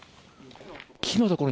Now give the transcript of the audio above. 木のところに。